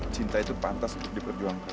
cinta itu pantas untuk diperjuangkan